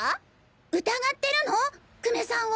疑ってるの久米さんを！？